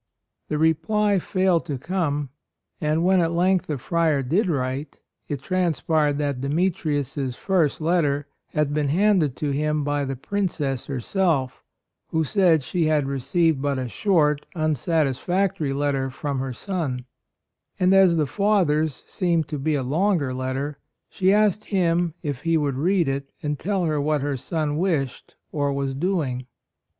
The reply failed to come; and when at length the friar did write, it transpired that Demetrius' first letter had been handed to him by the Princess herself, who said she had received but a short, unsatisfactory letter from her son ; and as the Father's seemed to be a longer letter, she asked him if he would read it and tell her what her son wished or was doing.